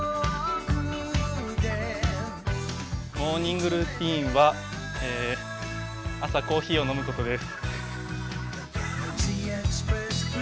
モーニングルーチンは朝コーヒーを飲むことです。